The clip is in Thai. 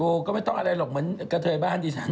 ก็ไม่ต้องอะไรหรอกเหมือนกระเทยบ้านดิฉัน